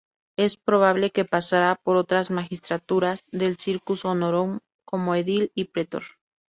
Es probable que pasara por otras magistraturas del "cursus honorum" como edil y pretor.